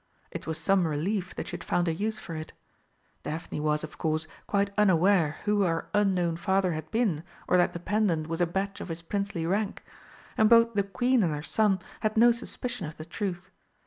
It was some relief that she had found a use for it. Daphne was, of course, quite unaware who her unknown father had been or that the pendant was a badge of his princely rank; and both the Queen and her son had no suspicion of the truth.